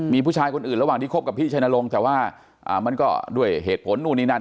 มีผู้ชายคนอื่นระหว่างที่คบกับพี่ชัยนรงค์แต่ว่ามันก็ด้วยเหตุผลนู่นนี่นั่น